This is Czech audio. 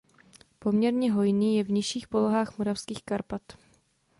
Poměrně hojný je v nižších polohách moravských Karpat.